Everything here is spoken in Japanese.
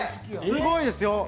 すごいですよ。